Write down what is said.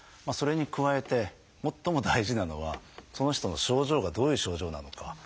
それに加えて最も大事なのはその人の症状がどういう症状なのか。